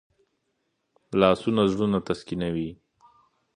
لاسونه زړونه تسکینوي